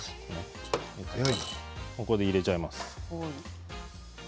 ここで入れちゃいます。